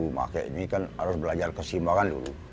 dulu baru pakai ini kan harus belajar kesimbangan dulu